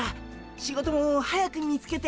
仕事も早く見つけて。